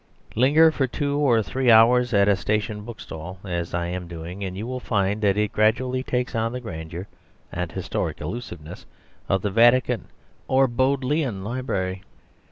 Linger for two or three hours at a station bookstall (as I am doing), and you will find that it gradually takes on the grandeur and historic allusiveness of the Vatican or Bodleian Library.